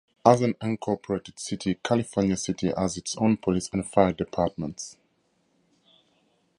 As an incorporated city, California City has its own police and fire departments.